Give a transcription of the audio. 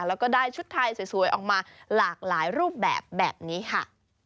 แล้วก็ได้ชุดไทยสวยออกมาหลากหลายรูปแบบแบบนี้ค่ะ